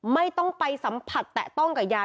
ไม่ต้องไปสัมผัสแตะต้องกับยา